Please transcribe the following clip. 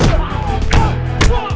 iya emang kenapa sih lo juga